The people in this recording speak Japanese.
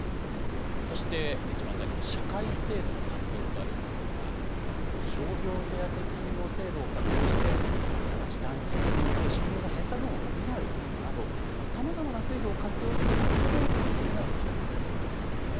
そして一番最後に社会制度の活用とあるんですが、傷病手当金の制度を活用して、例えば時短勤務によって収入が減った分を補うなど、さまざまな制度を活用することもポイントの一つなんですね。